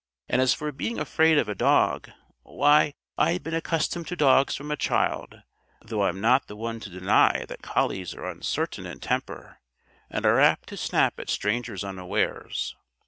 "And as for being afraid of a dog why! I'd been accustomed to dogs from a child, though I'm not the one to deny that collies are uncertain in temper and apt to snap at strangers unawares.